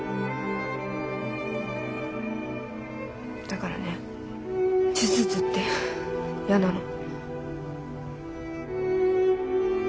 だからね手術って嫌なの。